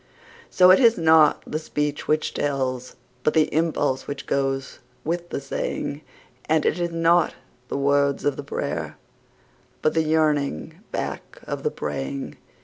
So it is not the speech which tells, but the impulse which goes with the saying; And it is not the words of the prayer, but the yearning back of the praying.